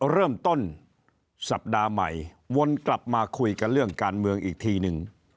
เริ่มต้นสัปดาห์ใหม่วนกลับมาคุยกันเรื่องการเมืองอีกทีนึง